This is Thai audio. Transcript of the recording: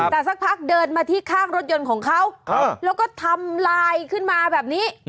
แต่สักพักเดินมาที่ข้างรถยนต์ของเขาแล้วก็ทำลายขึ้นมาแบบนี้